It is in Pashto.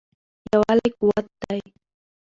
یووالی قوت دی.